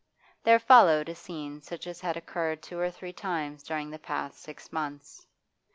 There followed a scene such as had occurred two or three times during the past six months.